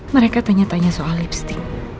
mereka tanya tanya soal lipstick